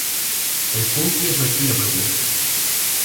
El punky es su estilo propio.